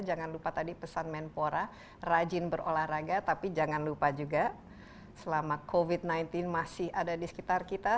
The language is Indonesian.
jangan lupa tadi pesan menpora rajin berolahraga tapi jangan lupa juga selama covid sembilan belas masih ada di sekitar kita